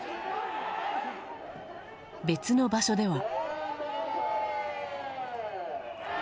別の場所では。